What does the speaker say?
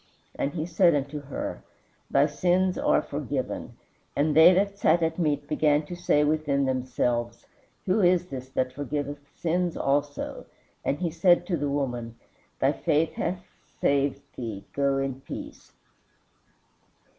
And he said unto her, Thy sins are forgiven. And they that sat at meat began to say within themselves, Who is this that forgiveth sins also? And he said to the woman, Thy faith hath saved thee; go in peace."